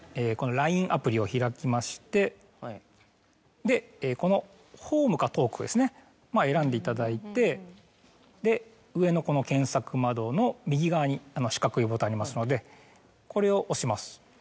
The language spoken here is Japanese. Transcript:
アプリを開きましてこのホームかトークを選んでいただいて上の検索窓の右側に四角いボタンありますのでこれを押します。